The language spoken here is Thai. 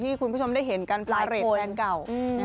คุณผู้ชมได้เห็นกันปลายเรทแฟนเก่า